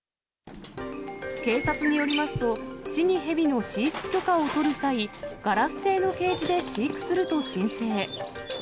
警察によりますと、市にヘビの飼育許可を取る際、ガラス製のケージで飼育すると申請。